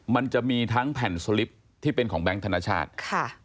มันจะมีทั้งแผ่นสลิปที่เป็นของแบงค์ธนชาติค่ะ